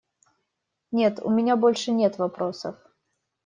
Нет, у меня больше нет вопросов.